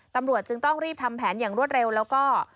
ตำรวจจึงต้องรีบทำแผนอย่างรวดเร็วแล้วก็